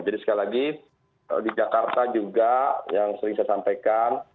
jadi sekali lagi di jakarta juga yang sering saya sampaikan